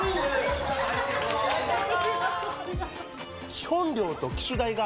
基本料と機種代が